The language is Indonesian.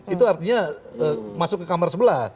itu artinya masuk ke kamar sebelah